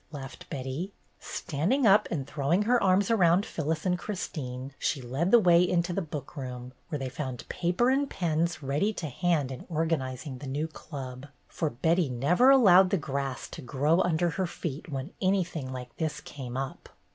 laughed Betty. Standing up, and throwing her arms around Phyllis and Christine, she led the way into the book room, where they found paper and pens ready to hand in organizing the new club, for Betty A CITY HISTORY CLUB 177 never allowed the grass to grow under her feet when anything like this came up.